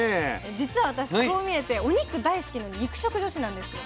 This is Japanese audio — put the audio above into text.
実は私こう見えてお肉大好きの肉食女子なんですよ。